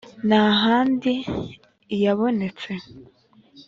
Nta handi lyabonetse.